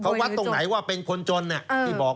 เขาวัดตรงไหนว่าเป็นคนจนที่บอก